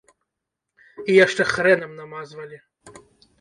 І яшчэ хрэнам намазвалі.